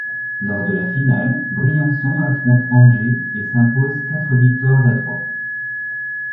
Lors de la finale, Briançon affronte Angers et s'impose quatre victoires à trois.